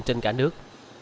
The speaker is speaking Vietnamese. trên cả nước